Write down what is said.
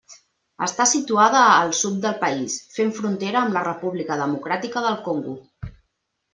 Està situada al sud del país, fent frontera amb la República Democràtica del Congo.